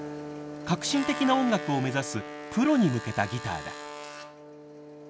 革新的な音楽を目指すプロに向けたギターだ。